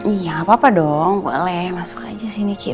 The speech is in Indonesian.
iya apa apa dong boleh masuk aja sini